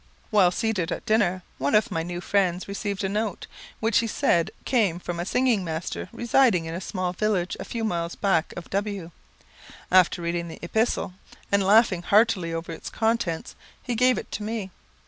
While seated at dinner, one of my new friends received a note, which he said came from a singing master residing in a small village a few miles back of W . After reading the epistle, and laughing heartily over its contents, he gave it to me.